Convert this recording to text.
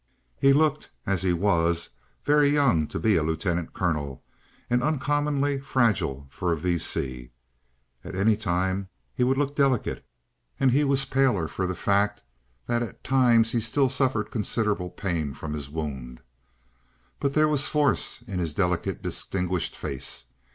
He looked, as he was, very young to be a Lieutenant Colonel, and uncommonly fragile for a V. C. At any time he would look delicate, and he was the paler for the fact that at times he still suffered considerable pain from his wound. But there was force in his delicate, distinguished face.